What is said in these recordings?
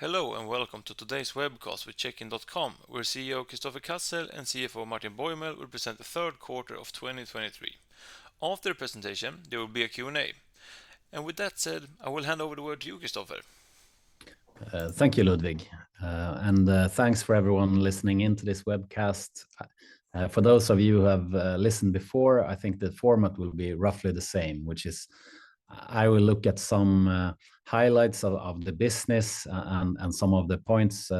Hello, and welcome to today's webcast with Checkin.com, where CEO Kristoffer Cassel and CFO Martin Bäuml will present the third quarter of 2023. After the presentation, there will be a Q&A. With that said, I will hand over the word to you, Kristoffer. Thank you, Ludvig. And thanks for everyone listening in to this webcast. For those of you who have listened before, I think the format will be roughly the same, which is I will look at some highlights of the business and some of the points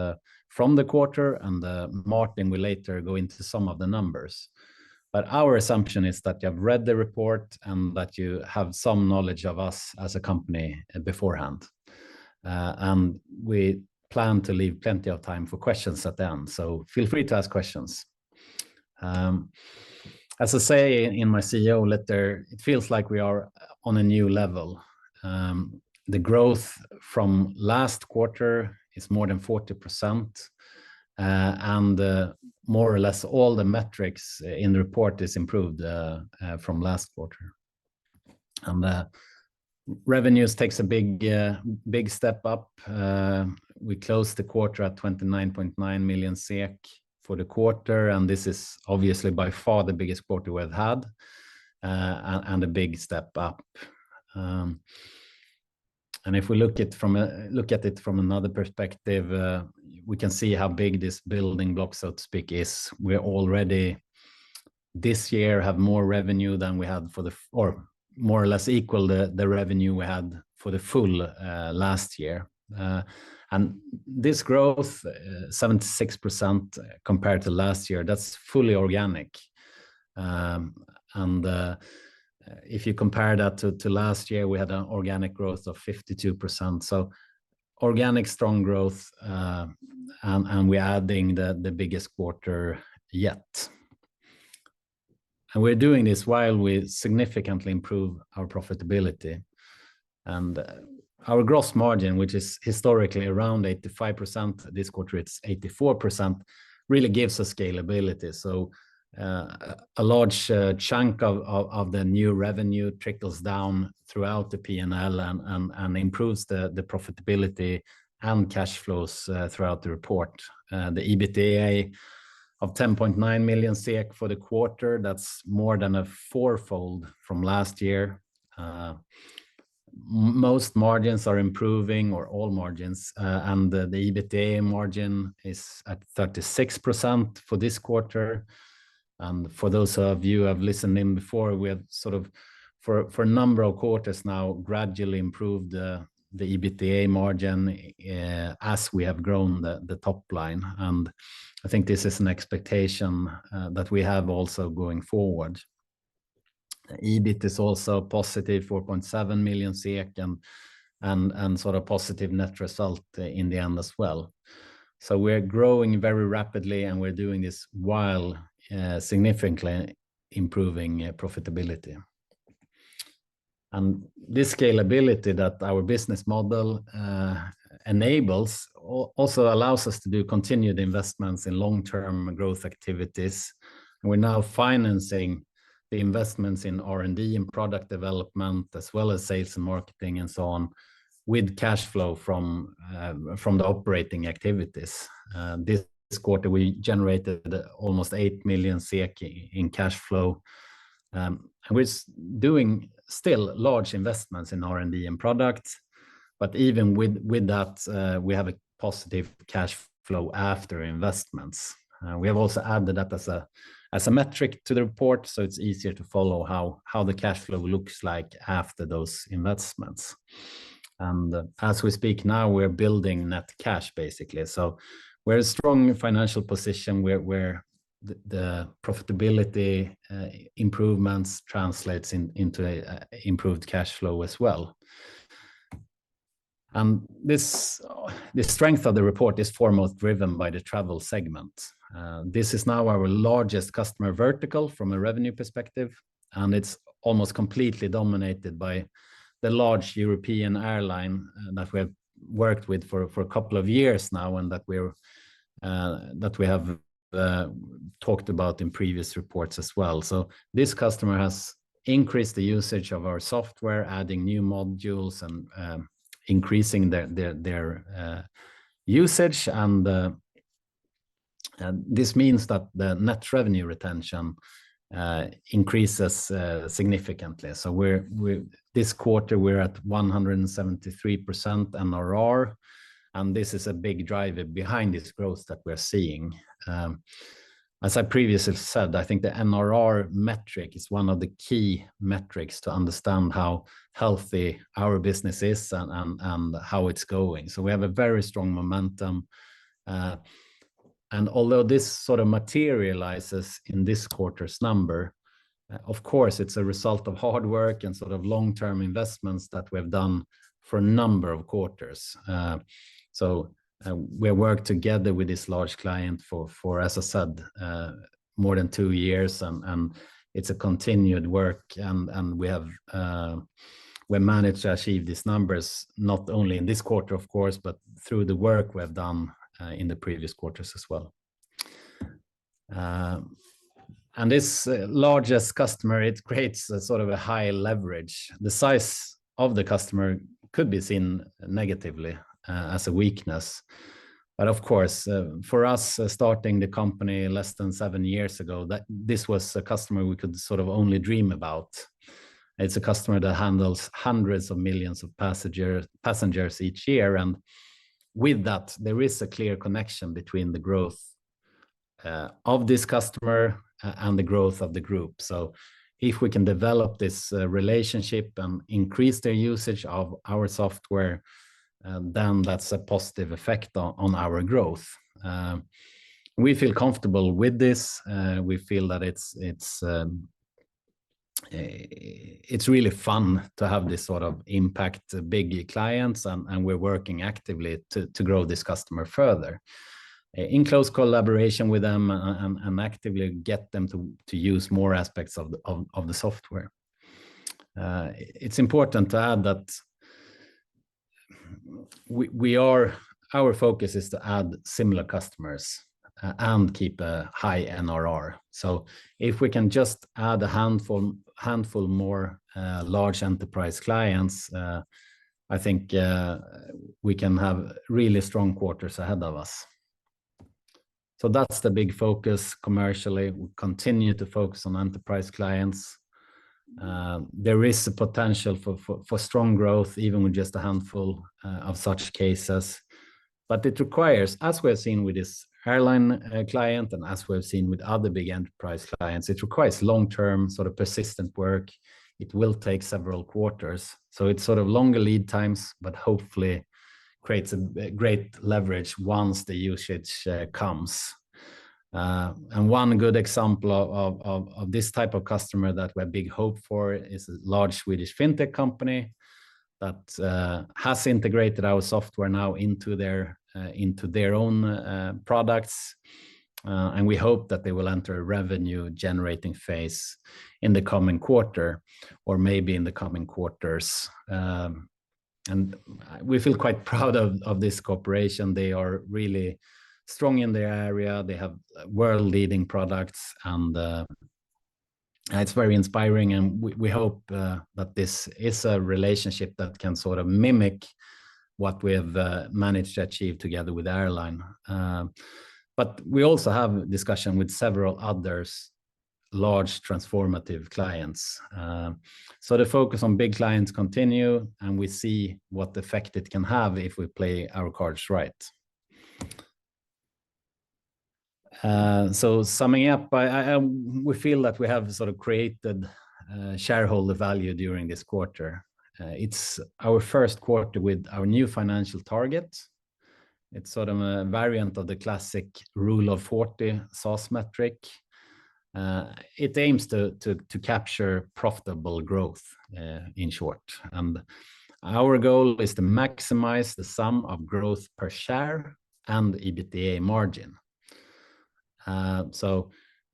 from the quarter, and Martin will later go into some of the numbers. But our assumption is that you have read the report and that you have some knowledge of us as a company beforehand. We plan to leave plenty of time for questions at the end, so feel free to ask questions. As I say in my CEO letter, it feels like we are on a new level. The growth from last quarter is more than 40%, and more or less all the metrics in the report is improved from last quarter. And the revenues takes a big step up. We closed the quarter at 29.9 million SEK for the quarter, and this is obviously by far the biggest quarter we've had, and a big step up. And if we look at it from another perspective, we can see how big this building block, so to speak, is. We're already this year have more revenue than we had for the or more or less equal the revenue we had for the full last year. And this growth 76% compared to last year, that's fully organic. and, if you compare that to last year, we had an organic growth of 52%, so organic, strong growth, and we're adding the biggest quarter yet. And we're doing this while we significantly improve our profitability. And our gross margin, which is historically around 85%, this quarter, it's 84%, really gives us scalability. So, a large chunk of the new revenue trickles down throughout the P&L and improves the profitability and cash flows throughout the report. The EBITDA of 10.9 million SEK for the quarter, that's more than a fourfold from last year. Most margins are improving or all margins, and the EBITDA margin is at 36% for this quarter. For those of you who have listened in before, we have sort of, for a number of quarters now, gradually improved the EBITDA margin, as we have grown the top line, and I think this is an expectation that we have also going forward. The EBIT is also positive, 4.7 million SEK, and sort of positive net result in the end as well. So we're growing very rapidly, and we're doing this while significantly improving profitability. And this scalability that our business model enables also allows us to do continued investments in long-term growth activities. We're now financing the investments in R&D and product development, as well as sales and marketing and so on, with cash flow from the operating activities. This quarter, we generated almost 8 million in cash flow, and we're doing still large investments in R&D and products. But even with that, we have a positive cash flow after investments. We have also added that as a metric to the report, so it's easier to follow how the cash flow looks like after those investments. And as we speak now, we're building net cash, basically. So we're a strong financial position where the profitability improvements translates into a improved cash flow as well. And the strength of the report is foremost driven by the travel segment. This is now our largest customer vertical from a revenue perspective, and it's almost completely dominated by the large European airline that we have worked with for a couple of years now, and that we have talked about in previous reports as well. So this customer has increased the usage of our software, adding new modules and increasing their usage, and this means that the net revenue retention increases significantly. So this quarter, we're at 173% NRR, and this is a big driver behind this growth that we're seeing. As I previously said, I think the NRR metric is one of the key metrics to understand how healthy our business is and how it's going. So we have a very strong momentum, and although this sort of materializes in this quarter's number, of course, it's a result of hard work and sort of long-term investments that we've done for a number of quarters. So, we work together with this large client for, as I said, more than two years, and it's a continued work, and we managed to achieve these numbers, not only in this quarter, of course, but through the work we have done, in the previous quarters as well... And this largest customer, it creates a sort of a high leverage. The size of the customer could be seen negatively, as a weakness. But of course, for us, starting the company less than seven years ago, this was a customer we could sort of only dream about. It's a customer that handles hundreds of millions of passengers each year, and with that, there is a clear connection between the growth of this customer and the growth of the group. So if we can develop this relationship and increase their usage of our software, then that's a positive effect on our growth. We feel comfortable with this. We feel that it's really fun to have this sort of impact big clients, and we're working actively to grow this customer further in close collaboration with them and actively get them to use more aspects of the software. It's important to add that we are. Our focus is to add similar customers and keep a high NRR. So if we can just add a handful more large enterprise clients, I think, we can have really strong quarters ahead of us. So that's the big focus commercially. We continue to focus on enterprise clients. There is a potential for strong growth, even with just a handful of such cases. But it requires, as we have seen with this airline client, and as we've seen with other big enterprise clients, it requires long-term, sort of persistent work. It will take several quarters, so it's sort of longer lead times, but hopefully creates great leverage once the usage comes. And one good example of this type of customer that we have big hope for is a large Swedish fintech company that has integrated our software now into their own products. And we hope that they will enter a revenue-generating phase in the coming quarter or maybe in the coming quarters. And we feel quite proud of this cooperation. They are really strong in their area. They have world-leading products, and it's very inspiring, and we hope that this is a relationship that can sort of mimic what we have managed to achieve together with airline. But we also have discussion with several others, large, transformative clients. So the focus on big clients continue, and we see what effect it can have if we play our cards right. So summing up, we feel that we have sort of created shareholder value during this quarter. It's our first quarter with our new financial target. It's sort of a variant of the classic Rule of 40 SaaS metric. It aims to capture profitable growth in short. And our goal is to maximize the sum of growth per share and EBITDA margin. So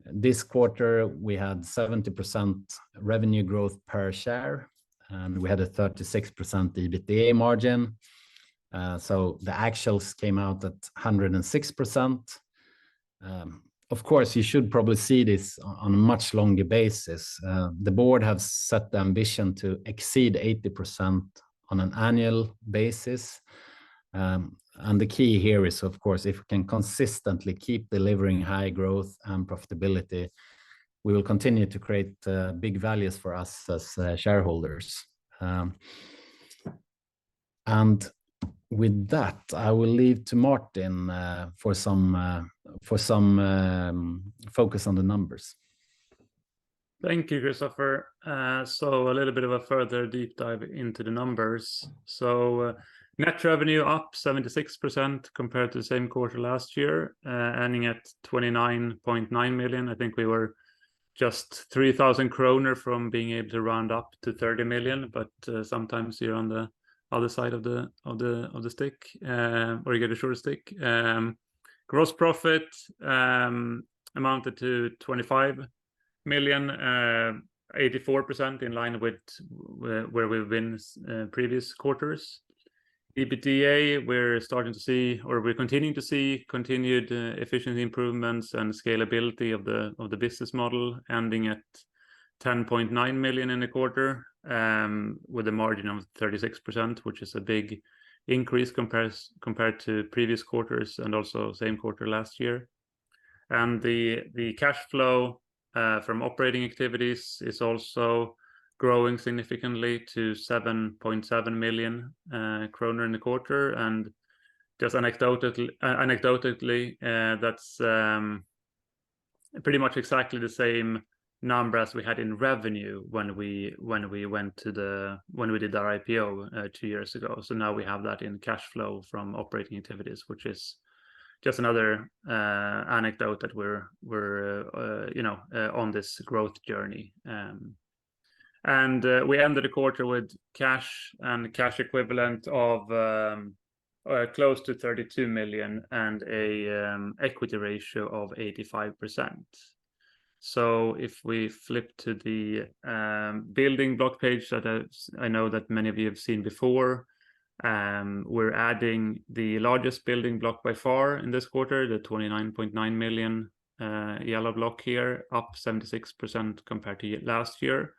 this quarter, we had 70% revenue growth per share, and we had a 36% EBITDA margin. So the actuals came out at 106%. Of course, you should probably see this on a much longer basis. The board have set the ambition to exceed 80% on an annual basis. The key here is, of course, if we can consistently keep delivering high growth and profitability, we will continue to create big values for us as shareholders. With that, I will leave to Martin for some focus on the numbers. Thank you, Kristoffer. So, a little bit of a further deep dive into the numbers. So, net revenue up 76% compared to the same quarter last year, ending at 29.9 million. I think we were just 3,000 kronor from being able to round up to 30 million, but sometimes you're on the other side of the stick, or you get a shorter stick. Gross profit amounted to 25 million, 84%, in line with where we've been previous quarters. EBITDA, we're starting to see or we're continuing to see continued efficiency improvements and scalability of the business model, ending at 10.9 million in the quarter, with a margin of 36%, which is a big increase compared to previous quarters and also same quarter last year. And the cash flow from operating activities is also growing significantly to 7.7 million kronor in the quarter. And just anecdotally, that's pretty much exactly the same number as we had in revenue when we went to the... When we did our IPO two years ago. So now we have that in cash flow from operating activities, which is just another anecdote that we're you know on this growth journey. We ended the quarter with cash and cash equivalent of close to 32 million and a equity ratio of 85%. So if we flip to the building block page that I know that many of you have seen before, we're adding the largest building block by far in this quarter, the 29.9 million yellow block here, up 76% compared to last year.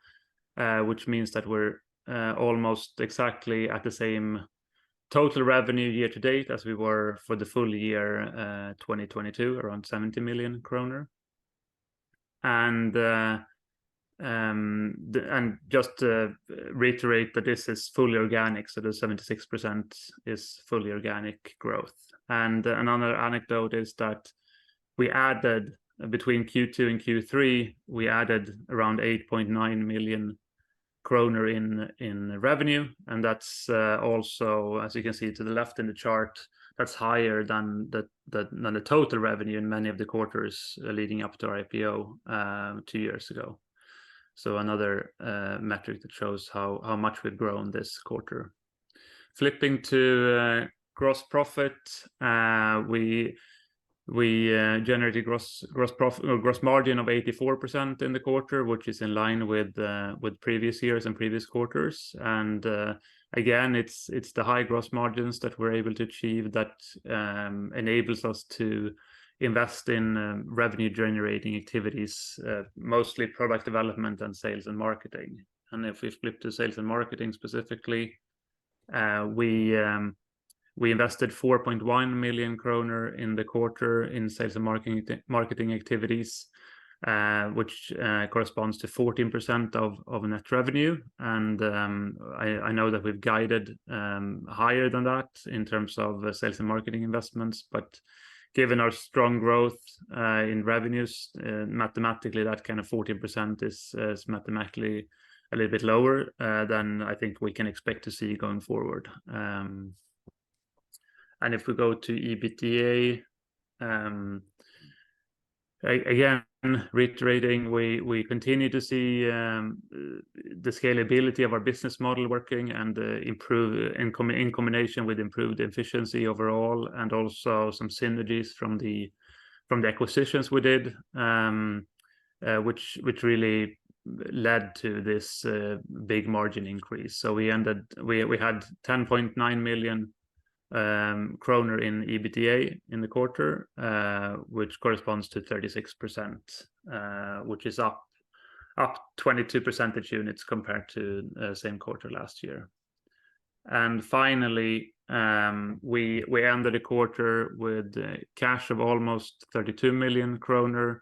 Which means that we're almost exactly at the same total revenue year to date as we were for the full year 2022, around 70 million kronor. And just to reiterate that this is fully organic, so the 76% is fully organic growth. Another anecdote is that we added between Q2 and Q3 around 8.9 million kronor in revenue, and that's also, as you can see to the left in the chart, that's higher than the total revenue in many of the quarters leading up to our IPO two years ago. Another metric that shows how much we've grown this quarter. Flipping to gross profit, we generated gross margin of 84% in the quarter, which is in line with previous years and previous quarters. Again, it's the high gross margins that we're able to achieve that enables us to invest in revenue-generating activities, mostly product development and sales and marketing. If we flip to sales and marketing specifically, we invested 4.1 million kronor in the quarter in sales and marketing, marketing activities, which corresponds to 14% of net revenue. And I know that we've guided higher than that in terms of sales and marketing investments, but given our strong growth in revenues, mathematically, that kind of 14% is mathematically a little bit lower than I think we can expect to see going forward. If we go to EBITDA, again, reiterating, we continue to see the scalability of our business model working and improve in combination with improved efficiency overall, and also some synergies from the acquisitions we did, which really led to this big margin increase. So we ended. We had 10.9 million kronor in EBITDA in the quarter, which corresponds to 36%, which is up 22 percentage units compared to same quarter last year. And finally, we ended the quarter with cash of almost 32 million kronor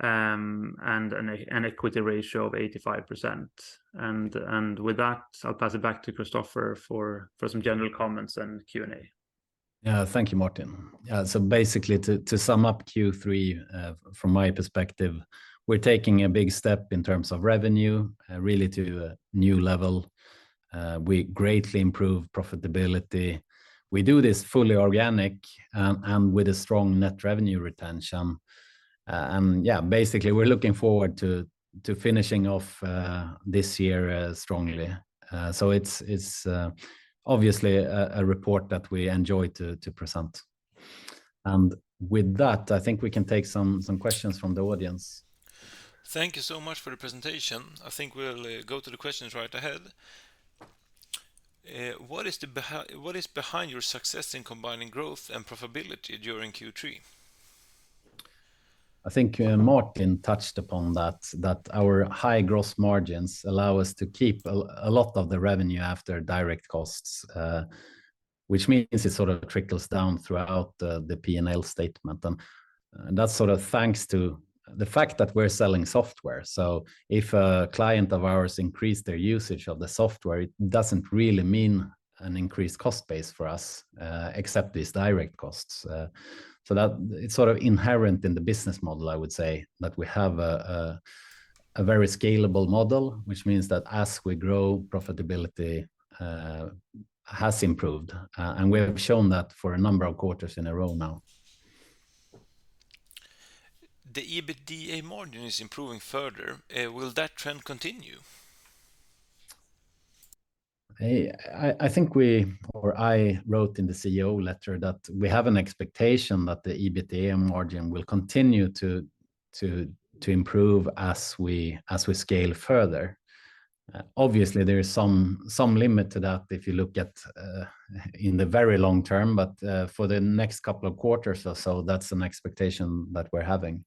and an equity ratio of 85%. And with that, I'll pass it back to Kristoffer for some general comments and Q&A. Yeah. Thank you, Martin. Yeah, so basically, to sum up Q3, from my perspective, we're taking a big step in terms of revenue, really to a new level. We greatly improve profitability. We do this fully organic, and with a strong net revenue retention. Yeah, basically, we're looking forward to finishing off this year strongly. So it's obviously a report that we enjoy to present. And with that, I think we can take some questions from the audience. Thank you so much for the presentation. I think we'll go to the questions right ahead. What is behind your success in combining growth and profitability during Q3? I think, Martin touched upon that, that our high gross margins allow us to keep a lot of the revenue after direct costs, which means it sort of trickles down throughout the P&L statement. And that's sort of thanks to the fact that we're selling software. So if a client of ours increased their usage of the software, it doesn't really mean an increased cost base for us, except these direct costs. So that it's sort of inherent in the business model, I would say, that we have a very scalable model, which means that as we grow, profitability has improved. And we have shown that for a number of quarters in a row now. The EBITDA margin is improving further. Will that trend continue? Hey, I think we, or I wrote in the CEO letter that we have an expectation that the EBITDA margin will continue to improve as we scale further. Obviously, there is some limit to that if you look at in the very long term, but for the next couple of quarters or so, that's an expectation that we're having.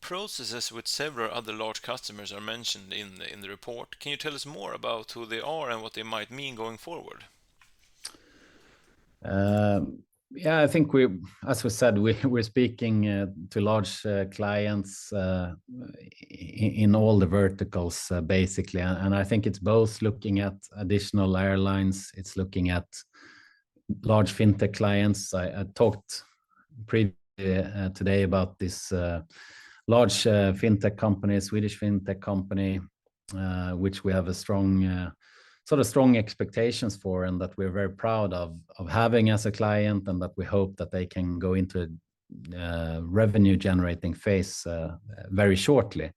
Processes with several other large customers are mentioned in the report. Can you tell us more about who they are and what they might mean going forward? Yeah, I think, as we said, we're speaking to large clients in all the verticals, basically. I think it's both looking at additional airlines, it's looking at large fintech clients. I talked earlier today about this large fintech company, Swedish fintech company, which we have a strong sort of strong expectations for, and that we're very proud of having as a client, and that we hope that they can go into revenue-generating phase very shortly.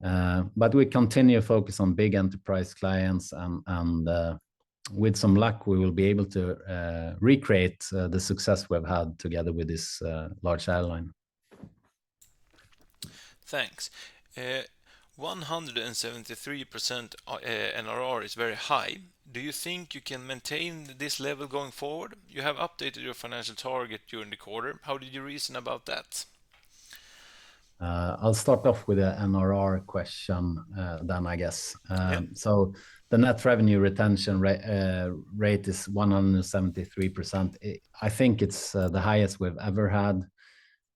But we continue to focus on big enterprise clients and... With some luck, we will be able to recreate the success we've had together with this large airline. Thanks. 173% NRR is very high. Do you think you can maintain this level going forward? You have updated your financial target during the quarter. How did you reason about that? I'll start off with the NRR question, then I guess. Yeah. So the net revenue retention rate is 173%. I think it's the highest we've ever had.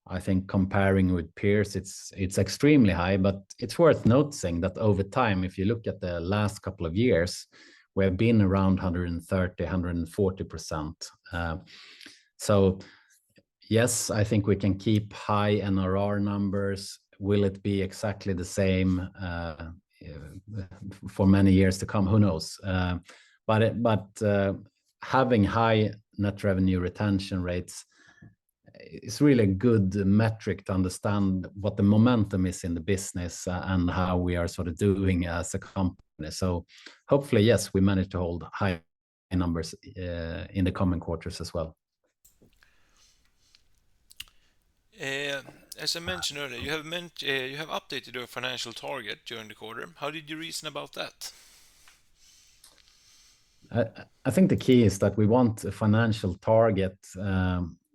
I think comparing with peers, it's extremely high, but it's worth noting that over time, if you look at the last couple of years, we have been around 130%, 140%. So yes, I think we can keep high NRR numbers. Will it be exactly the same for many years to come? Who knows? But having high net revenue retention rates, it's really a good metric to understand what the momentum is in the business, and how we are sort of doing as a company. So hopefully, yes, we manage to hold high numbers in the coming quarters as well. As I mentioned earlier, you have updated your financial target during the quarter. How did you reason about that? I think the key is that we want a financial target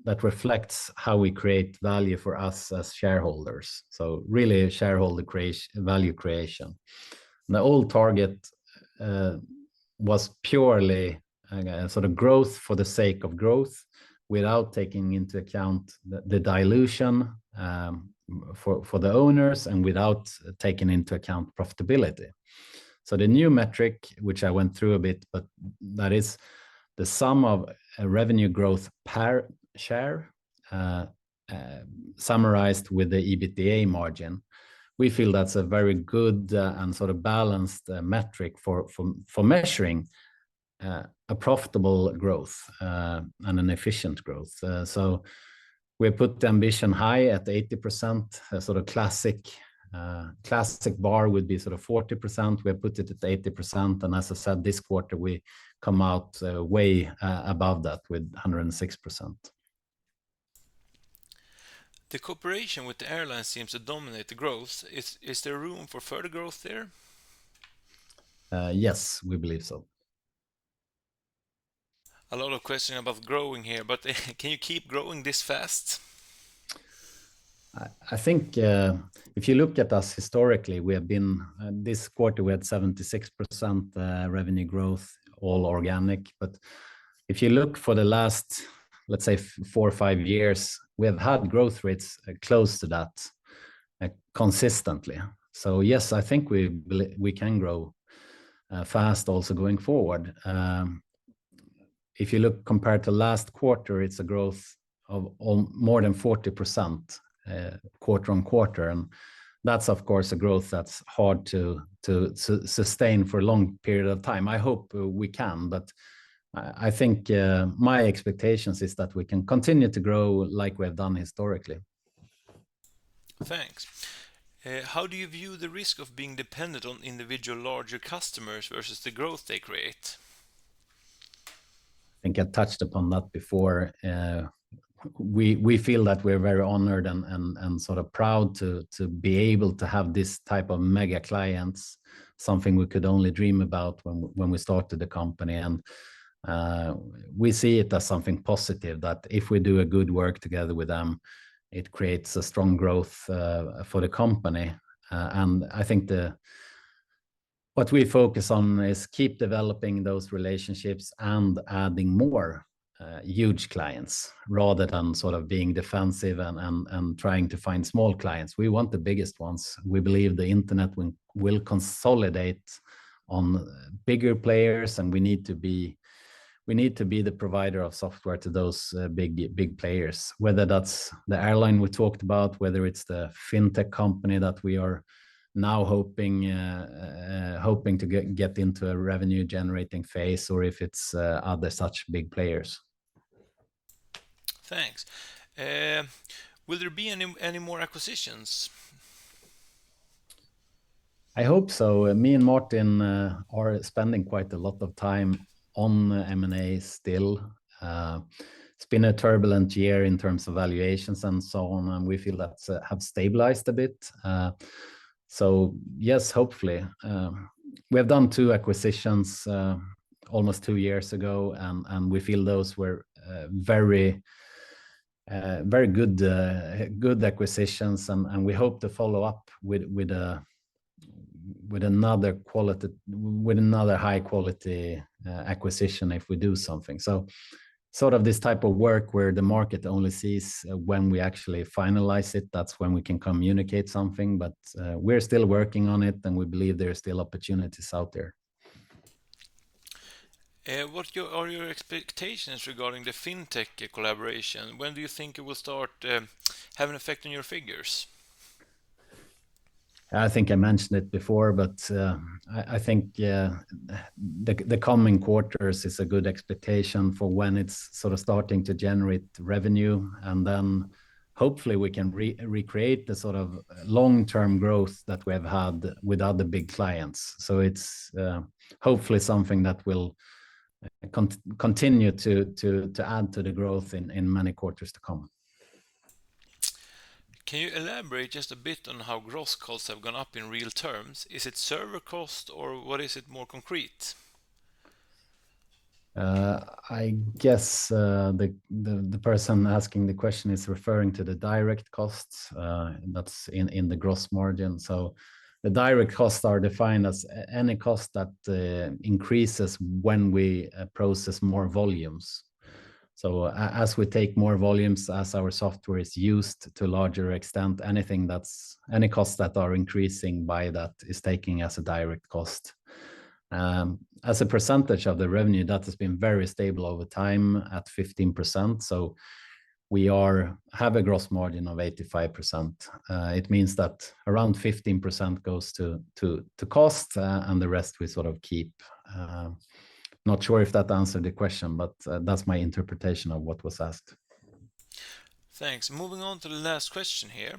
that reflects how we create value for us as shareholders. So really, shareholder value creation. The old target was purely sort of growth for the sake of growth, without taking into account the dilution for the owners and without taking into account profitability. So the new metric, which I went through a bit, but that is the sum of a revenue growth per share summarized with the EBITDA margin. We feel that's a very good and sort of balanced metric for measuring a profitable growth and an efficient growth. So we put the ambition high at 80%. A sort of classic bar would be sort of 40%. We have put it at 80%, and as I said, this quarter, we come out way above that with 106%. The cooperation with the airline seems to dominate the growth. Is there room for further growth there? Yes, we believe so. A lot of questioning about growing here, but can you keep growing this fast? I think, if you look at us historically, we have been... This quarter, we had 76% revenue growth, all organic. But if you look for the last, let's say, four or five years, we have had growth rates close to that, consistently. So yes, I think we can grow fast also going forward. If you look compared to last quarter, it's a growth of more than 40%, quarter-on-quarter, and that's of course, a growth that's hard to sustain for a long period of time. I hope we can, but I think my expectations is that we can continue to grow like we have done historically. Thanks. How do you view the risk of being dependent on individual larger customers versus the growth they create? I think I touched upon that before. We feel that we're very honored and sort of proud to be able to have this type of mega clients, something we could only dream about when we started the company. We see it as something positive, that if we do a good work together with them, it creates a strong growth for the company. I think what we focus on is keep developing those relationships and adding more huge clients, rather than sort of being defensive and trying to find small clients. We want the biggest ones. We believe the internet will consolidate on bigger players, and we need to be the provider of software to those big, big players, whether that's the airline we talked about, whether it's the fintech company that we are now hoping to get into a revenue-generating phase, or if it's other such big players. Thanks. Will there be any more acquisitions? I hope so. Me and Martin are spending quite a lot of time on M&A still. It's been a turbulent year in terms of valuations and so on, and we feel that's have stabilized a bit. So yes, hopefully. We have done two acquisitions almost two years ago, and we feel those were very very good good acquisitions. And we hope to follow up with with a with another quality- with another high-quality acquisition if we do something. So sort of this type of work where the market only sees when we actually finalize it, that's when we can communicate something. But we're still working on it, and we believe there are still opportunities out there. What are your expectations regarding the fintech collaboration? When do you think it will start, have an effect on your figures? ... I think I mentioned it before, but I think the coming quarters is a good expectation for when it's sort of starting to generate revenue, and then hopefully we can recreate the sort of long-term growth that we have had with other big clients. So it's hopefully something that will continue to add to the growth in many quarters to come. Can you elaborate just a bit on how gross costs have gone up in real terms? Is it server cost, or what is it, more concrete? I guess the person asking the question is referring to the direct costs, that's in the gross margin. So the direct costs are defined as any cost that increases when we process more volumes. So as we take more volumes, as our software is used to a larger extent, any costs that are increasing by that is taking as a direct cost. As a percentage of the revenue, that has been very stable over time at 15%, so we have a gross margin of 85%. It means that around 15% goes to cost, and the rest we sort of keep. Not sure if that answered the question, but that's my interpretation of what was asked. Thanks. Moving on to the last question here: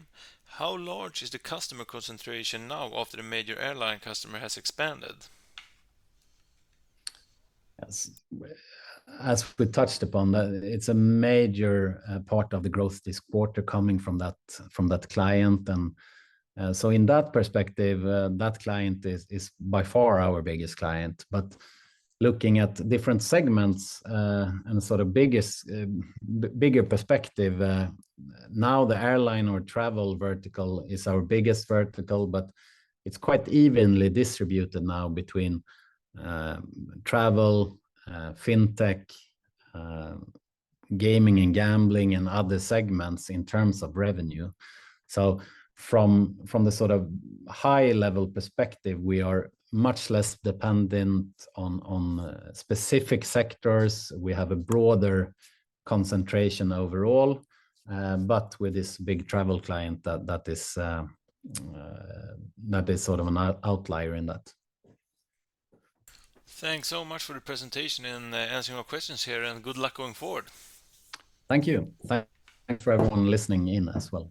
How large is the customer concentration now after the major airline customer has expanded? As, as we touched upon that, it's a major part of the growth this quarter coming from that, from that client. And, so in that perspective, that client is, is by far our biggest client. But looking at different segments, and sort of biggest, bigger perspective, now the airline or travel vertical is our biggest vertical, but it's quite evenly distributed now between, travel, fintech, gaming and gambling, and other segments in terms of revenue. So from, from the sort of high-level perspective, we are much less dependent on, on, specific sectors. We have a broader concentration overall, but with this big travel client, that, that is, that is sort of an outlier in that. Thanks so much for the presentation and answering our questions here, and good luck going forward. Thank you. Thanks for everyone listening in as well.